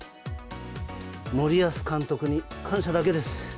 森保監督に感謝だけです。